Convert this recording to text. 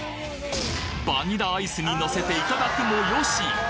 バニラアイスにのせていただくも良し！